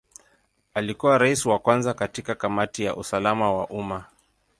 Alikuwa Rais wa kwanza katika Kamati ya usalama wa umma.